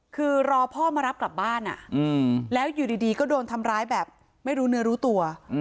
คือรอพ่อมารับกลับบ้านแล้วอยู่ดีก็โดนทำร้ายแบบไม่รู้เนื้อรู้ตัว